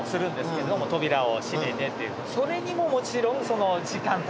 それにももちろんその。